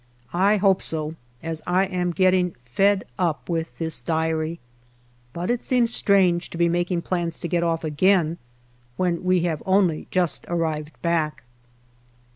I hope so, as I am getting fed up with this Diary. But it seems strange to be making plans to get off again, when we have only just arrived back.